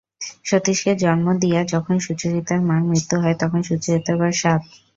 সতীশকে জন্ম দিয়া যখন সুচরিতার মার মৃত্যু হয় তখন সুচরিতার বয়স সাত।